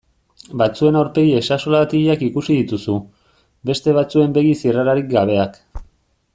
Batzuen aurpegi ezaxolatiak ikusi dituzu, beste batzuen begi zirrararik gabeak.